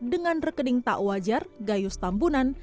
dengan rekening tak wajar gayus tambunan